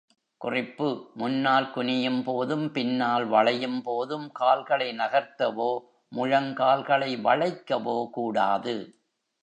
குறிப்பு முன்னால் குனியும் போதும், பின்னால் வளையும் போதும் கால்களை நகர்த்தவோ, முழங்கால்களை வளைக்கவோ கூடாது.